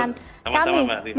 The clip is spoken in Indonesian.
sama sama mbak rima